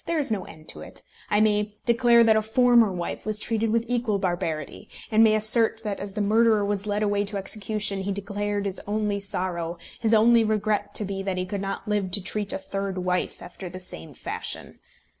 There is no end to it. I may declare that a former wife was treated with equal barbarity; and may assert that, as the murderer was led away to execution, he declared his only sorrow, his only regret to be, that he could not live to treat a third wife after the same fashion.